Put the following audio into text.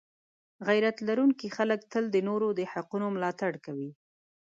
غیرت لرونکي خلک تل د نورو د حقونو ملاتړ کوي.